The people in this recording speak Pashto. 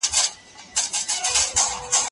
که اړتیا محسوسه سي څېړنه ګټوره واقع کېږي.